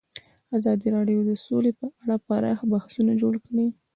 ازادي راډیو د سوله په اړه پراخ بحثونه جوړ کړي.